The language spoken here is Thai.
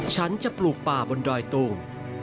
ฉันจะปลูกป่าบนดอยตุง